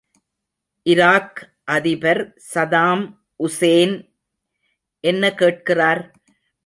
Iraq அதிபர் Saddam Hussein என்ன கேட்கிறார்?